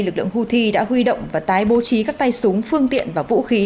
lực lượng houthi đã huy động và tái bố trí các tay súng phương tiện và vũ khí